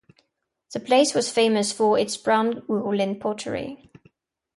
The place was famous for its brown wool and pottery.